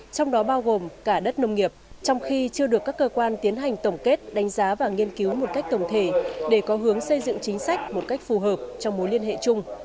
trong đó bao gồm cả đất nông nghiệp trong khi chưa được các cơ quan tiến hành tổng kết đánh giá và nghiên cứu một cách tổng thể để có hướng xây dựng chính sách một cách phù hợp trong mối liên hệ chung